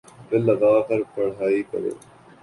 دل لگا کر پڑھائی کرو